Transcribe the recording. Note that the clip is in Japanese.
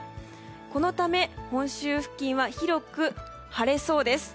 このため、本州付近は広く晴れそうです。